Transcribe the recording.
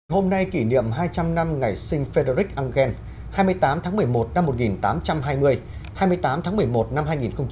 hôm nay kỷ niệm hai trăm linh năm ngày sinh frederick engel hai mươi tám tháng một mươi một năm một nghìn tám trăm hai mươi hai mươi tám tháng một mươi một năm hai nghìn hai mươi